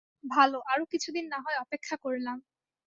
ভালো, আরো কিছুদিন না হয় অপেক্ষা করলাম।